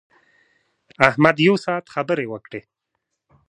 احمد یو ساعت خبرې وکړې.